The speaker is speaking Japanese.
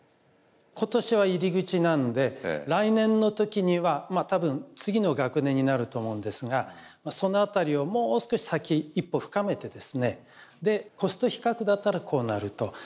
今年は入り口なので来年の時にはまあ多分次の学年になると思うんですがそのあたりをもう少し先一歩深めてですねコスト比較だったらこうなると。